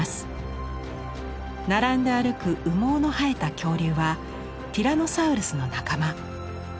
並んで歩く羽毛の生えた恐竜はティラノサウルスの仲間。